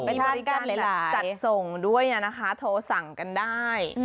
มีการจัดส่งด้วยนะคะโทรสั่งกันได้